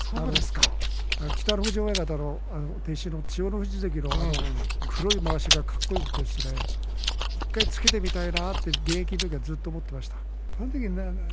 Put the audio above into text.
北の富士親方の弟子の千代の富士関の黒いまわしがかっこよくてですね１回つけてみたいなと現役の時ずっと思っていました。